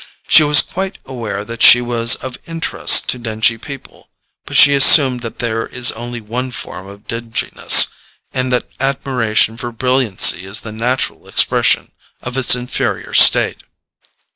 She was quite aware that she was of interest to dingy people, but she assumed that there is only one form of dinginess, and that admiration for brilliancy is the natural expression of its inferior state.